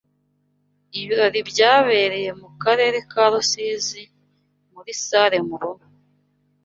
Ibirori byabereye mu karere ka Rusizi muri sale Mururu